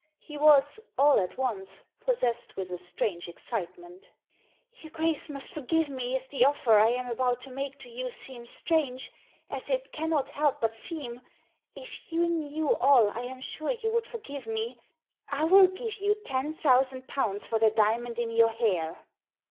He was, all at once, possessed with a strange excitement Digitized by VjOOQIC 214 THE SEEN AND THE UNSEEN •* Your Grace must forgive me if the offer I am about to make to you seems strange, as it cannot help but seem. If you knew all I am sure you would forgive me. I will give you ten thousand pounds for the diamond in your hair